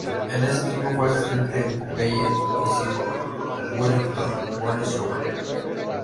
En ese tiempo fue asistente en Popeye y "Sir Wellington Bones Show".